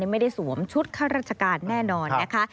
ไม่ได้สวมชุดข้าราชการแน่นอนนะคะ